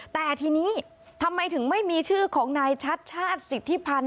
แต่ทีนี้ทำไมถึงไม่มีชื่อของนายชัดชาติสิทธิพันธ์